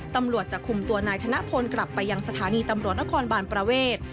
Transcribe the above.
ตำรวจจะคุมตัวนายธนพลกลับไปยังสถานีตำรวจนครบานประเวท